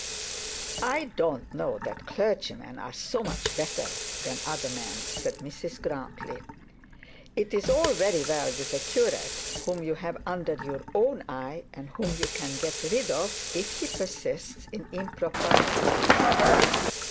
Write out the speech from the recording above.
'I don't know that clergymen are so much better than other men,' said Mrs Grantly. 'It's all very well with a curate whom you have under your own eye, and whom you can get rid of if he persists in improprieties.'